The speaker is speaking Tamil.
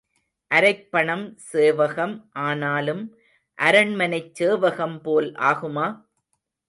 அரைப் பணம் சேவகம் ஆனாலும் அரண்மனைச் சேவகம் போல் ஆகுமா?